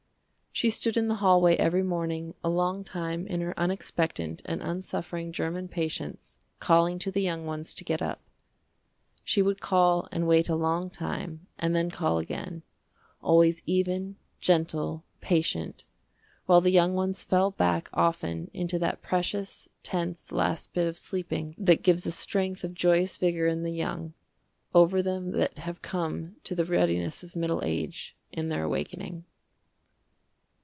She stood in the hallway every morning a long time in her unexpectant and unsuffering german patience calling to the young ones to get up. She would call and wait a long time and then call again, always even, gentle, patient, while the young ones fell back often into that precious, tense, last bit of sleeping that gives a strength of joyous vigor in the young, over them that have come to the readiness of middle age, in their awakening.